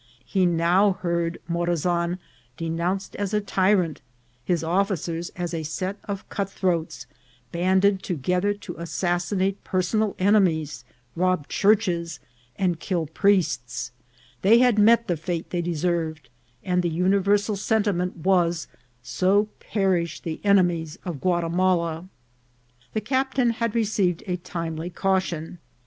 He now hdferd Morazan denounced as a tyrant, his officers as a set of cutthroats, banded together to as sassinate personal enemies, rob churches, and kill priests ; they had met the fate they deserved, and the universal sentiment was, so perish the enemies of Gua timala. The captain had received a timely caution.